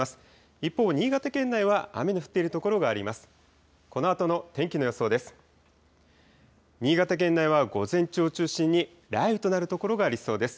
一方、新潟県内は雨の降っている所があります。